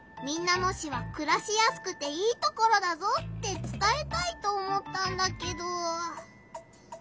野市はくらしやすくていいところだぞってつたえたいと思ったんだけど。